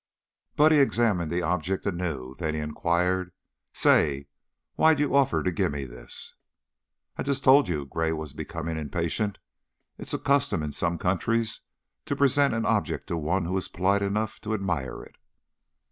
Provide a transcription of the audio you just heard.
Buddy examined the object anew, then he inquired, "Say, why'd you offer to gimme this?" "I've just told you." Gray was becoming impatient. "It is a custom in some countries to present an object to one who is polite enough to admire it."